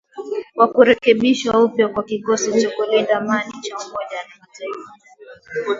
wa kurekebishwa upya kwa kikosi cha kulinda amani cha Umoja wa Mataifa